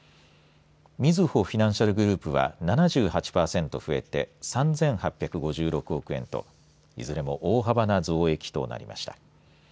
みずほフィナンシャルグループは７８パーセント増えて３８５６億円といずれも大幅な増益となりました。